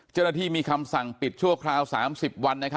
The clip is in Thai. เจ้าหน้าที่มีคำสั่งปิดชั่วคราว๓๐วัน